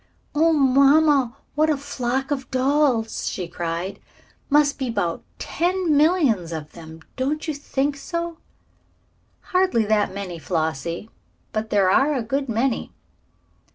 "Oh, mamma, what a flock of dolls!" she cried. "Must be 'bout ten millions of them, don't you think so?" "Hardly that many, Flossie; but there are a good many."